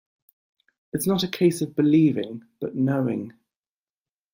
It's not a case of believing, but knowing.